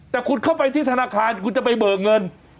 แต่คุณเข้าไปที่ธนาคารคุณจะไปเบิกเงิน